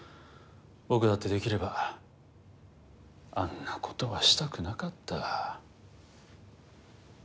僕だってできればあんな事はしたくなかった。